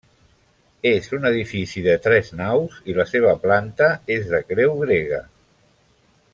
És un edifici de tres naus i la seva planta és de creu grega.